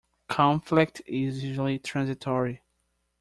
Conflict is usually transitory.